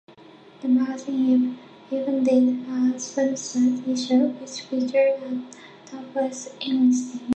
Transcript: The magazine even did a 'swimsuit issue,' which featured a topless Einstein.